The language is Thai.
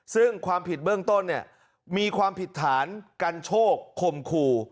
ซึ่งความผิดเบื้องต้นเนี่ยมีความผิดฐานกันโชคคมคู่